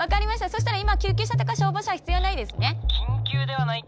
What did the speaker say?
そしたら今救急車とか消防車は必要ないですね？